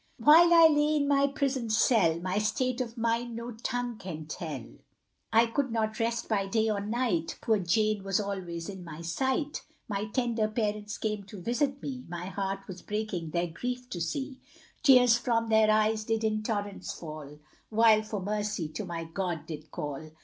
While I lay in my prison cell, My state of mind no tongue can tell; I could not rest by day or night, Poor Jane was always in my sight. My tender parents came to visit me, My heart was breaking their grief to see, Tears from their eyes did in torrents fall, While for mercy to my God did call.